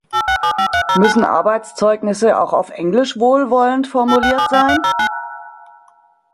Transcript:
Müssen Arbeitszeugnisse auch auf Englisch wohlwollend formuliert sein?